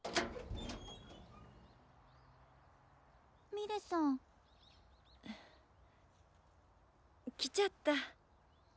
ミレさん。来ちゃった。